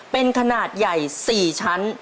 เป็นขนาดใหญ่๔ชั้น